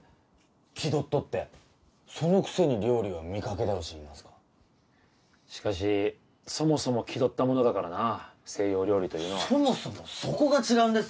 気取っとってそのくせに料理は見かけ倒しいいますかしかしそもそも気取ったものだからな西洋料理というのはそもそもそこが違うんです